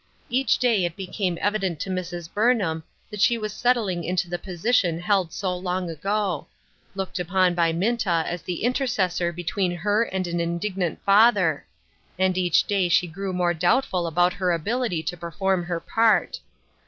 Each day it became evident to Mrs. Burnham that she was settling into the position held so long ago : looked upon by Minta as the intercessor between her and an indignant father; and each day she grew more doubtful about her ability to perform her part.